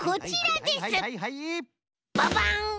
ババン！